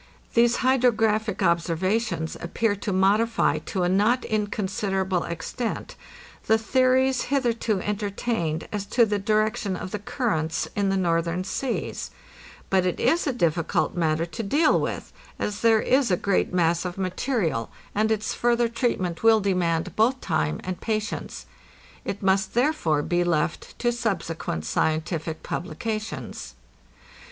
These hydrographic observations appear to modify to a not inconsiderable extent the theories hitherto entertained as to the direction of the currents in the northern seas; but it is a diffi cult matter to deal with, as there is a great mass of material, 712 APPENDIX and its further treatment will demand both time and patience. It must therefore be left to subsequent scientific publica tions.